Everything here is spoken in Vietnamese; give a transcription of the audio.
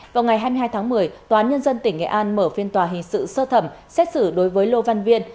vào ngày hai mươi hai tháng một mươi tòa án nhân dân tỉnh nghệ an mở phiên tòa hình sự sơ thẩm xét xử đối với lô văn viên